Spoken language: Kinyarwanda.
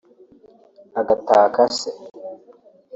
agataka se